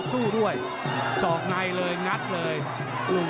ติดตามยังน้อยกว่า